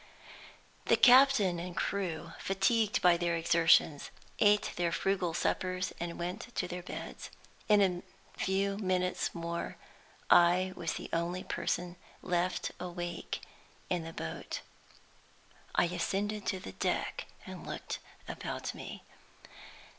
The captain and crew, fatigued by their exertions, ate their frugal suppers and went to their beds. In a few minutes more, I was the only person left awake in the boat. I ascended to the deck, and looked about me.